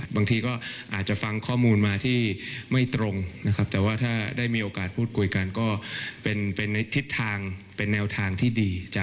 บางทีก็อาจจะฟังข้อมูลมาที่ไม่ตรงนะครับแต่ว่าถ้าได้มีโอกาสพูดคุยกันก็เป็นในทิศทางเป็นแนวทางที่ดี